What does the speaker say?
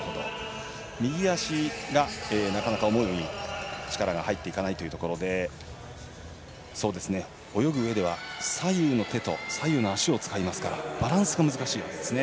右足がなかなか思うように力が入っていかないというところで泳ぐうえでは左右の手と左右の足を使いますからバランスが難しいんですね。